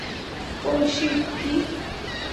ওহ shit - কি?